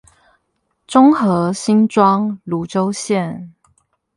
中和新莊蘆洲線